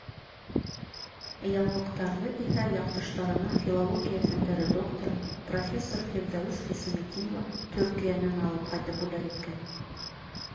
Яулыҡтарҙы иһә яҡташтарына филология фәндәре докторы, профессор Фирҙәүес Хисамитдинова Төркиәнән алып ҡайтып бүләк иткән.